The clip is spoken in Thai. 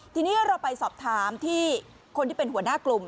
ทีนี้เราไปสอบถามที่คนที่เป็นหัวหน้ากลุ่ม